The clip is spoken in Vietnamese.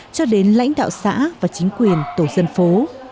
cho đến lãnh đạo xã và chính quyền tổ dân phố